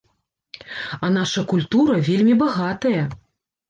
А наша культура вельмі багатая.